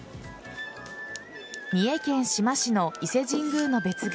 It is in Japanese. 三重県志摩市の伊勢神宮の別宮・